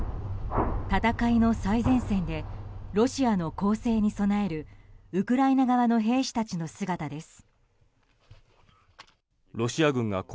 戦いの最前線でロシアの攻勢に備えるウクライナ側の兵士たちの姿です。